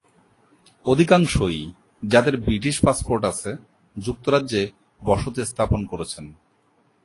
অধিকাংশই, যাদের British passport আছে, যুক্তরাজ্যে বসতি স্থাপন করেছেন।